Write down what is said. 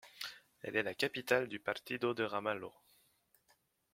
Elle est la capitale du partido de Ramallo.